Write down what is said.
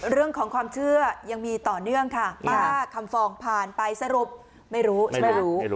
เรื่องของความเชื่อยังมีต่อเนื่องค่ะป้าคำฟองผ่านไปสรุปไม่รู้ไม่รู้